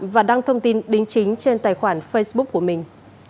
và đăng thông tin đính chính trên tài khoản facebook của mình